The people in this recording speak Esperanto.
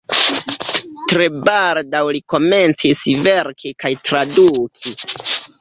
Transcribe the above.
Tre baldaŭ li komencis verki kaj traduki.